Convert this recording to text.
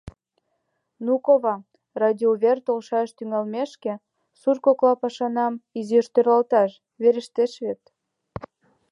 Ну, кува, радиоувер толаш тӱҥалмешке, сурт кокла пашанам изиш тӧрлатылаш верештеш вет...